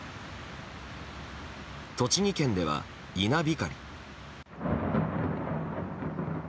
栃木県では、稲光。